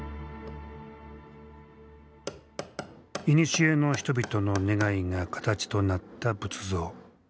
いにしえの人々の願いが形となった仏像。